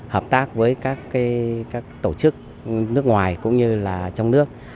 hợp tác với các tổ chức nước ngoài cũng như là trong nước